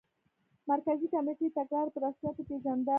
مرکزي کمېټې تګلاره په رسمیت وپېژنده.